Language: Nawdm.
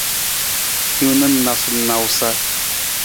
Hiwung na nawusanawusa.